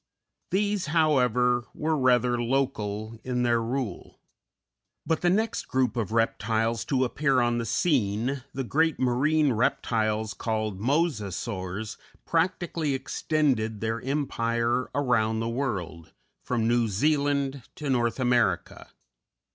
These, however, were rather local in their rule; but the next group of reptiles to appear on the scene, the great marine reptiles called Mosasaurs, practically extended their empire around the world, from New Zealand to North America.